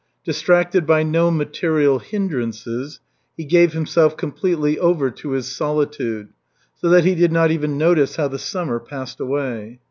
Distracted by no material hindrances, he gave himself completely over to his solitude, so that he did not even notice how the summer passed away.